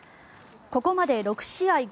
ここまで６試合